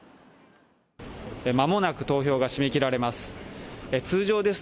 間もなく投票が締め切られます。